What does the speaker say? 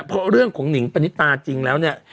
เพราะเรื่องของหนิงปณิตาจริงแล้วเนี่ย